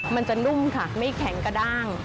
มันจะนุ่มค่ะไม่แข็งกระด้าง